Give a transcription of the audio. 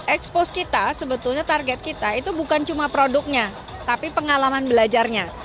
expose kita sebetulnya target kita itu bukan cuma produknya tapi pengalaman belajarnya